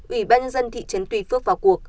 ủy ban dân thị trấn tuy phước vào cuộc